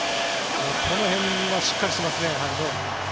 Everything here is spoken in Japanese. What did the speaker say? この辺はしっかりしてますね。